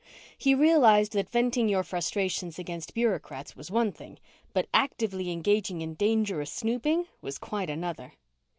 He realized that venting your frustrations against bureaucrats was one thing, but actively engaging in dangerous snooping was quite another.